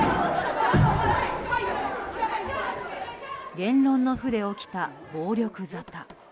言論の府で起きた暴力沙汰。